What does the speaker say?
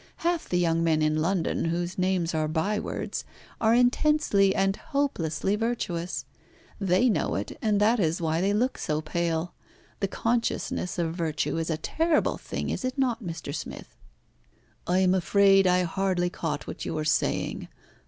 Half the young men in London, whose names are by words, are intensely and hopelessly virtuous. They know it, and that is why they look so pale. The consciousness of virtue is a terrible thing, is it not, Mr. Smith?" "I am afraid I hardly caught what you were saying.